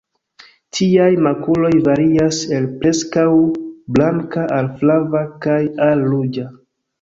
Tiaj makuloj varias el preskaŭ blanka al flava, kaj al ruĝa.